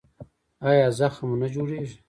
ایا زخم مو نه جوړیږي؟